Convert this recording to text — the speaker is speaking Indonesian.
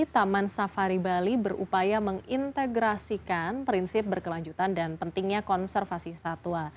taman safari bali berupaya mengintegrasikan prinsip berkelanjutan dan pentingnya konservasi satwa